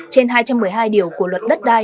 trên hai trăm một mươi hai điều của luật đất đai